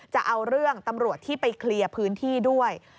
จะเอาเรื่องตำรวจที่ไปเคลียร์พื้นที่ด้วย